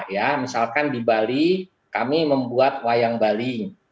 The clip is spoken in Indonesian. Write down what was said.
ya misalkan di bali kami membuat wayang bali